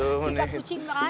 sampai kucing beranak